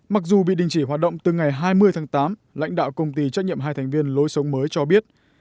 mặc dù bị đình chỉ hoạt động từ ngày hai mươi tháng tám lãnh đạo công ty trách nhiệm hai thành viên lối sống mới cho biết